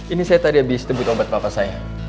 ini saya tadi habis debut obat bapak saya